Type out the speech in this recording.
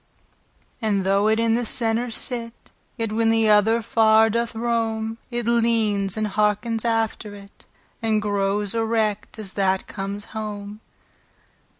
And though it in the center sit, Yet when the other far doth rome, It leanes, andhearkens after it, And growes erect, as that comes home.